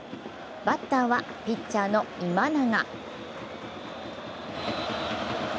バッターはピッチャーの今永。